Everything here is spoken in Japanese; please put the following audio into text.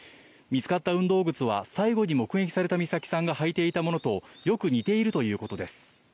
見つかった運動靴は最後に目撃された美咲さんが履いていたものとよく似ているということです。